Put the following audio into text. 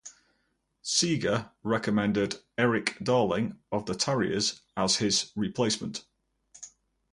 Seeger recommended Erik Darling of The Tarriers as his replacement.